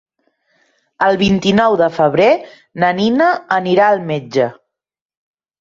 El vint-i-nou de febrer na Nina anirà al metge.